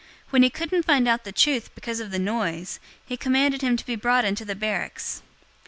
When he couldn't find out the truth because of the noise, he commanded him to be brought into the barracks.